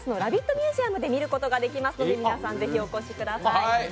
ミュージアムで見ることができますので皆さんぜひお越しください。